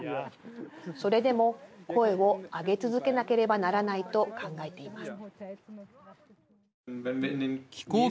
それでも、声をあげ続けなければならないと考えています。